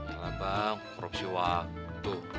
ya lah bang korupsi waktu